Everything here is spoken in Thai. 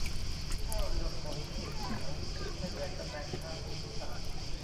ถ้าเรือของคุณเสีย ให้แจ้งตำแหน่งทางภูมิศาสตร์